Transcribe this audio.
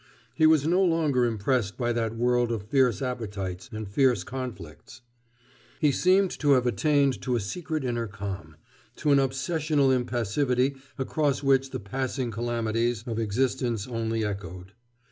He was no longer impressed by that world of fierce appetites and fierce conflicts. He seemed to have attained to a secret inner calm, to an obsessional impassivity across which the passing calamities of existence only echoed.